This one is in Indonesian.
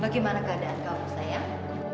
bagaimana keadaan kamu sayang